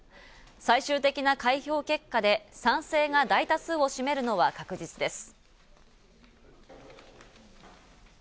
最終的な開票結果で賛成が大多数を占めるのは確実です。